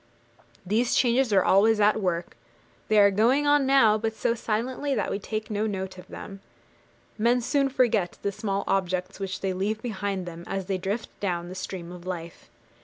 These changes are always at work; they are going on now, but so silently that we take no note of them. Men soon forget the small objects which they leave behind them as they drift down the stream of life.